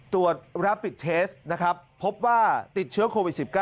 ตรวจรับปิดเทสนะครับพบว่าติดเชื้อโควิด๑๙